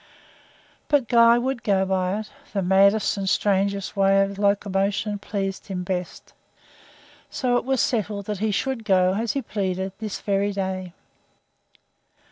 But Guy would go by it the maddest and strangest way of locomotion pleased him best. So it was settled he should go, as he pleaded, this very day.